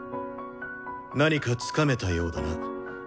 何かつかめたようだな。